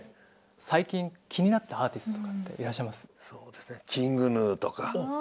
最近気になったアーティストとかっていらっしゃいます？ＫｉｎｇＧｎｕとか。